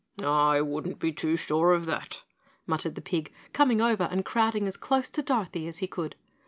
"I wouldn't be too sure of that," muttered the pig, coming over and crowding as close to Dorothy as he could.